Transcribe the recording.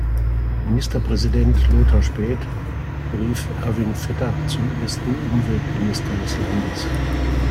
Ministerpräsident Lothar Späth berief Erwin Vetter zum ersten Umweltminister des Landes.